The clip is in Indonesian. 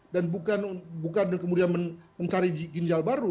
dan bukan kemudian mencari ginjal baru